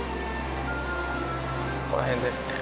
ここら辺ですね。